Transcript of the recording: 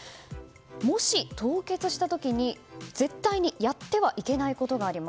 もし凍結した時に絶対にやってはいけないことがあります。